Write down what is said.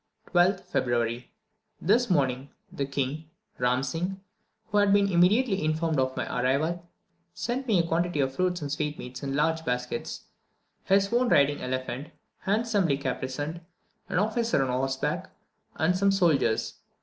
12th February. This morning, the king, Ram Singh, who had been immediately informed of my arrival, sent me a quantity of fruits and sweetmeats in large baskets, his own riding elephant, handsomely caparisoned, an officer on horseback, and some soldiers.